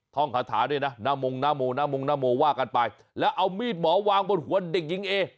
ท่องคาถาด้วยนะหน้ามงหน้าโมหน้ามงหน้าโมว่ากันไปแล้วเอามีดหมอวางบนหัวเด็กหญิงเอ